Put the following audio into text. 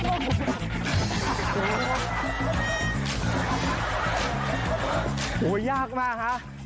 โอ้โหยากมากฮะ